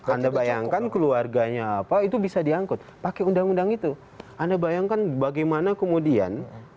anda bayangkan keluarganya apa itu bisa diangkut pakai undang undang itu anda bayangkan bagaimana kemudian